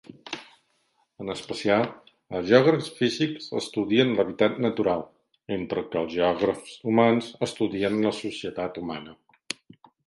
En especial, els geògrafs físics estudien l'hàbitat natural, entre que els geògrafs humans estudien la societat humana.